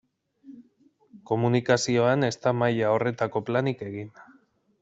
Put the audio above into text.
Komunikazioan ez da maila horretako planik egin.